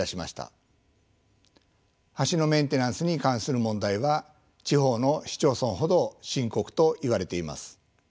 橋のメンテナンスに関する問題は地方の市町村ほど深刻と言われています。